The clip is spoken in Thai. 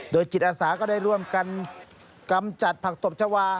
โดยจิตอาสาก็ได้ร่วมกันกำจัดผักตบชาวา